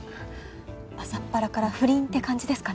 朝っぱらから不倫って感じですかね？